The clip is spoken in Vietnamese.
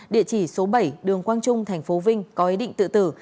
địa chỉ số bảy đường quang trung thành phố vinh có ý định tự tử